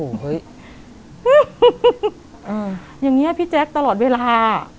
โหเฮ้ยอืมอย่างงี้ก็พี่แจ๊คตลอดเวลา